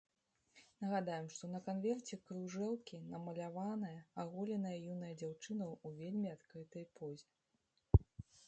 Нагадаем, што на канверце кружэлкі намаляваная аголеная юная дзяўчына ў вельмі адкрытай позе.